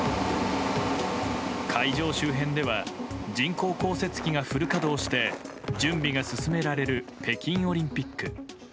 会場周辺では人工降雪機がフル稼働して準備が進められる北京オリンピック。